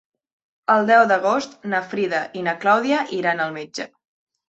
El deu d'agost na Frida i na Clàudia iran al metge.